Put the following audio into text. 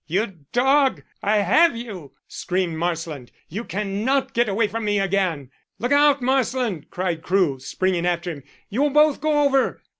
"You dog, I have you!" screamed Marsland. "You cannot get away from me again." "Look out, Marsland!" cried Crewe, springing after him. "You will both go over."